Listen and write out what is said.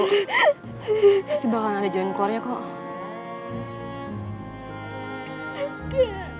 masih bakalan ada jalan keluarnya kok